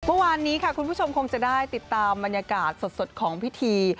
เมื่อวานนี้ค่ะคุณผู้ชมคงจะได้ติดตามบรรยากาศสดของพิธี